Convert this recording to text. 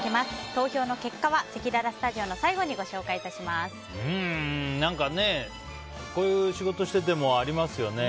投票の結果はせきららスタジオの最後に何か、こういう仕事をしててもありますよね。